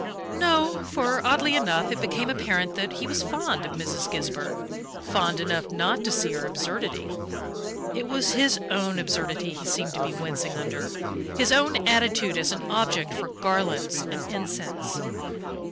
No for, oddly enough, it became apparent that he was fond of Mrs. Gisburn fond enough not to see her absurdity. It was his own absurdity he seemed to be wincing under his own attitude as an object for garlands and incense.